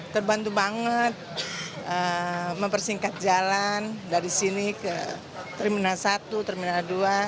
terbantu banget mempersingkat jalan dari sini ke terminal satu terminal dua